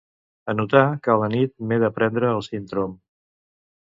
Anotar que a la nit m'he de prendre el Sintrom.